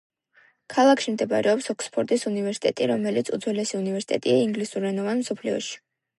ქალაქში მდებარეობს ოქსფორდის უნივერსიტეტი, რომელიც უძველესი უნივერსიტეტია ინგლისურენოვან მსოფლიოში.